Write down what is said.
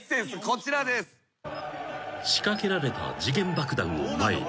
［仕掛けられた時限爆弾を前に］